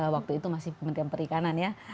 waktu itu masih kementerian perikanan ya